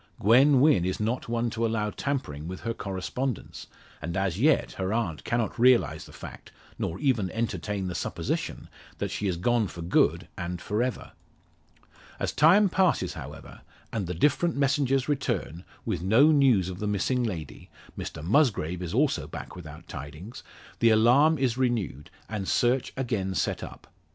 Gwen Wynn is not one to allow tampering with her correspondence; and as yet her aunt cannot realise the fact nor even entertain the supposition that she is gone for good and for ever. As time passes, however, and the different messengers return, with no news of the missing lady Mr Musgrave is also back without tidings the alarm is renewed, and search again set up.